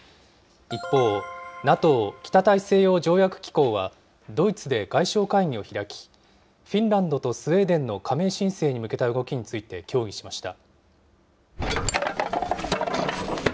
一方、ＮＡＴＯ・北大西洋条約機構はドイツで外相会議を開き、フィンランドとスウェーデンの加盟申請に向けた動きについて協議しました。